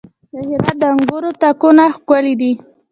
د هرات د انګورو تاکونه ښکلي دي.